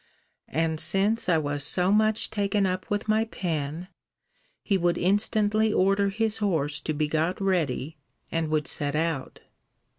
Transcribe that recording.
And since I was so much taken up with my pen, he would instantly order his horse to be got ready, and would set out.